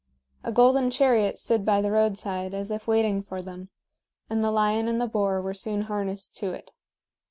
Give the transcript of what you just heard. A golden chariot stood by the roadside as if waiting for them, and the lion and the boar were soon harnessed to it.